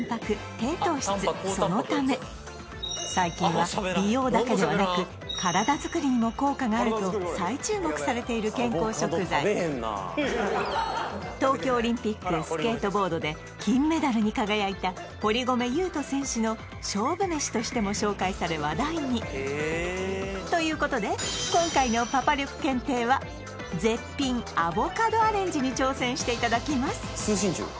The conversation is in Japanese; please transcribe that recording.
低糖質そのため最近は美容だけではなく体作りにも効果があると再注目されている健康食材東京オリンピックスケートボードで金メダルに輝いた堀米雄斗選手の勝負飯としても紹介され話題にということで今回のパパ力検定は絶品アボカドアレンジに挑戦していただきます